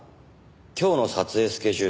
今日の撮影スケジュール